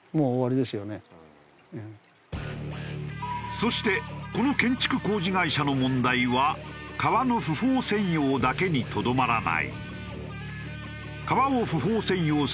そしてこの建築工事会社の問題は川の不法占用だけにとどまらない。